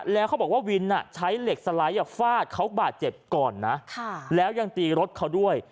แล้วเขาบอกว่าวินใช้เหล็กสไลด์ฟาดเขาบาดเจ็บก่อนนะแล้วยังตีรถเขาด้วย